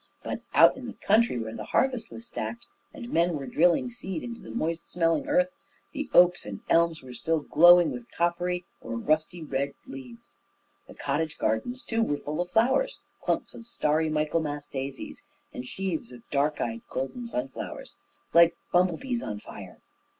But out in the country, where the harvest was stacked, and men were drilling seed into the moist smelling earth, the oaks and elms were still glowing with coppery or rusty red leaves. The cottage gardens, too, were full of flowers clumps of starry Michaelmas daisies, and sheaves of dark eyed golden sunflowers, like bumble bees on fire.